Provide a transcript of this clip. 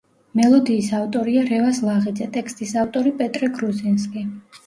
მელოდიის ავტორია რევაზ ლაღიძე, ტექსტის ავტორი პეტრე გრუზინსკი.